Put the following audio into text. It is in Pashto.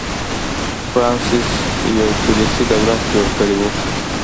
فرانسس یو پولیسي دولت جوړ کړی و.